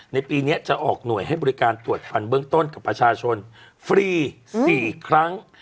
ในปีนี้จะออกหน่วยให้บริการตรวจฟันเบื้องต้นกับประชาชนฟรี๔ครั้ง